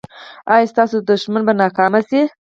ایا ستاسو دښمن به ناکام شي؟